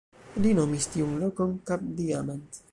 Li nomis tiun lokon "Cap-Diamant".